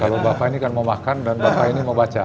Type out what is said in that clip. kalau bapak ini kan mau makan dan bapak ini mau baca